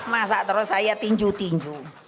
masa terus saya tinju tinju